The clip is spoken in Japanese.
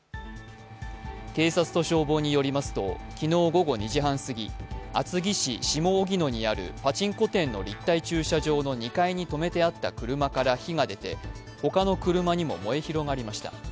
警察と消防によりますと、昨日午後２時半過ぎ厚木市下荻野にあるパチンコ店の立体駐車場の２階に止めてあった車から火が出て、他の車にも燃え広がりました。